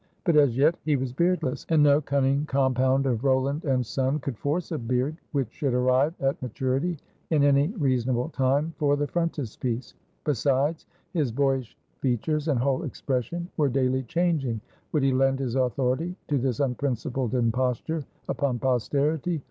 But as yet he was beardless; and no cunning compound of Rowland and Son could force a beard which should arrive at maturity in any reasonable time for the frontispiece. Besides, his boyish features and whole expression were daily changing. Would he lend his authority to this unprincipled imposture upon Posterity?